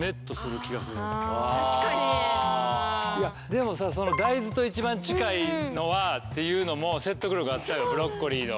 でも大豆と一番近いのはっていうのも説得力あったよブロッコリーの。